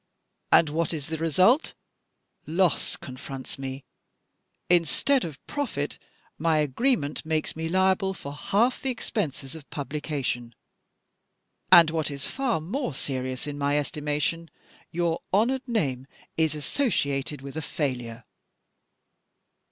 And what is the result? Loss confronts me, instead of profit my agreement makes me liable for half the expenses of publication. And, what is far more serious in my estimation, your honoured name is associated with a failure!